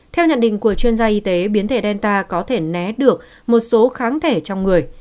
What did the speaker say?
theo nhận định của chuyên gia y tế biến thể delta có thể né được một số kháng thể trong người